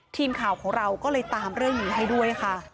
ทีมข่าวของเราก็เลยตามเรื่องนี้ให้ด้วยค่ะ